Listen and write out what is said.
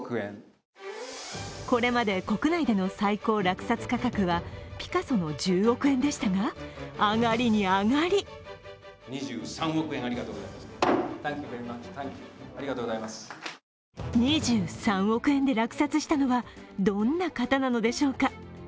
これまで国内での最高落札価格はピカソの１０億円でしたが上がりに上がり２３億円で落札したのはどんな方なのでしょうか。